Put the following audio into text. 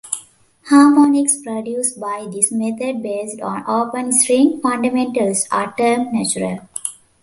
Harmonics produced by this method based on open-string fundamentals are termed natural.